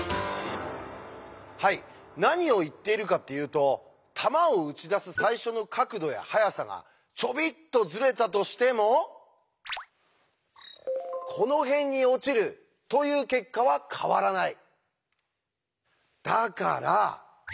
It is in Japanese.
はい何を言っているかっていうと弾を撃ち出す最初の角度や速さがちょびっとズレたとしてもこの辺に落ちるという結果は変わらない。